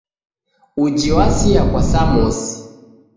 Uji wasia kwa samosi